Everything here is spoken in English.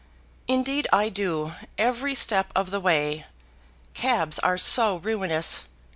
"Indeed I do, every step of the way. Cabs are so ruinous.